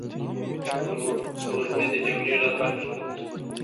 سپوږمۍ د جګړې ډګر ته ښکته شوه